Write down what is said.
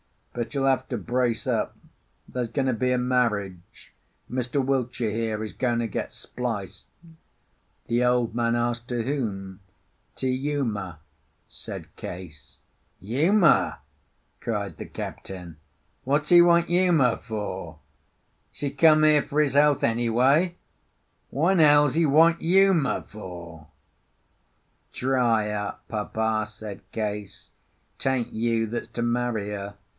"But you'll have to brace up. There's going to be a marriage—Mr. Wiltshire here is going to get spliced." The old man asked to whom. "To Uma," said Case. "Uma!" cried the captain. "Wha's he want Uma for? 's he come here for his health, anyway? Wha' 'n hell's he want Uma for?" "Dry up, Papa," said Case. "'Tain't you that's to marry her.